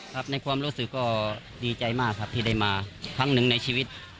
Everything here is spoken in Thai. ครับในความรู้สึกก็ดีใจมากครับที่ได้มาครั้งหนึ่งในชีวิต